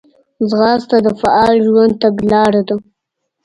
ځغاسته د فعاله ژوند تګلاره ده